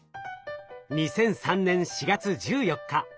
２００３年４月１４日。